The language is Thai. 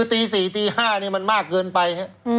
ที๔ที๕มันมากเกินไป